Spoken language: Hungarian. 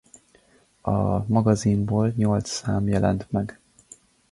A magazinból nyolc szám jelent meg.